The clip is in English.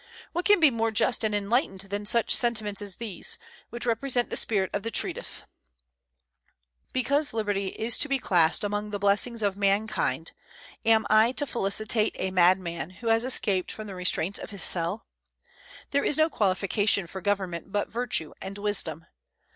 What can be more just and enlightened than such sentiments as these, which represent the spirit of the treatise: "Because liberty is to be classed among the blessings of mankind, am I to felicitate a madman who has escaped from the restraints of his cell? There is no qualification for government but virtue and wisdom.